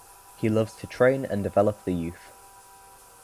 He loves to train and develop the youth.